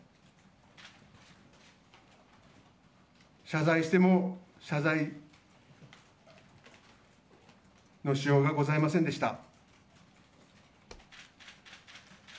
謝罪しても謝罪のしようがございませんでした。